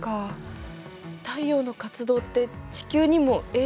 太陽の活動って地球にも影響があるんだ。